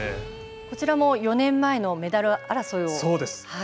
こちらも４年前のメダル争いを。